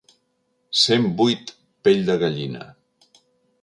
Cent vuit pell de gallina.